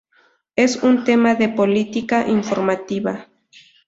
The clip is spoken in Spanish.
Es un tema de política informativa.